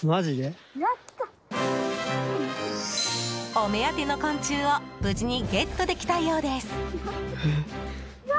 お目当ての昆虫を無事にゲットできたようです！